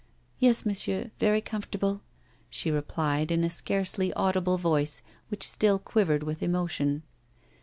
'Yes, monsieur, very comfortable,' she replied, in a scarcely audible voice, which still quivered with emotion.